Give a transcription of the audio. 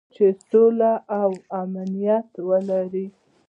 چې سوله او امنیت ولري.